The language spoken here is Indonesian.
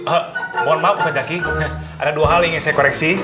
eh mohon maaf ustadz zaki ada dua hal yang ingin saya koreksi